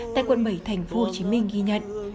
tại quận bảy tp hcm ghi nhận